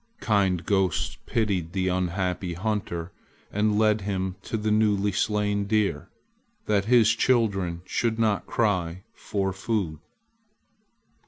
Kind ghosts pitied the unhappy hunter and led him to the newly slain deer, that his children should not cry for food.